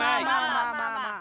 まあまあまあ。